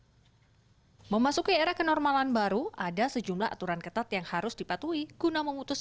hai memasuki era kenormalan baru ada sejumlah aturan ketat yang harus dipatuhi guna memutus